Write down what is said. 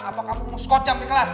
atau kamu mau scot jam di kelas